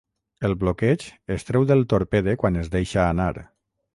El bloqueig es treu del torpede quan es deixa anar.